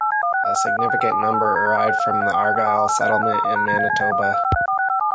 A significant number arrived from the Argyle settlement in Manitoba.